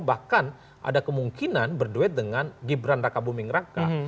bahkan ada kemungkinan berduet dengan gibran raka buming raka